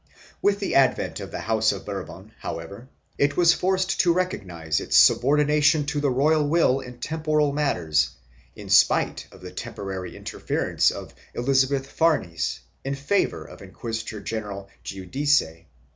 With the advent of the House of Bourbon, however, it was forced to recognize its subordination to the royal will in temporal matters, in spite of the temporary interference of Elisabeth Farnese in favor of Inquisitor general Giudice.